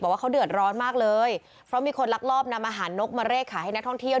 ว่าเขาเดือดร้อนมากเลยเพราะมีคนลักลอบนำอาหารนกมาเลขขายให้นักท่องเที่ยว